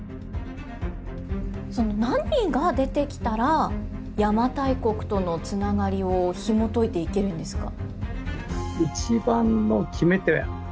何が出てきたら、邪馬台国とのつながりをひもといていけるんですか。